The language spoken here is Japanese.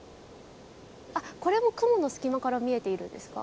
あっこれも雲の隙間から見えているんですか？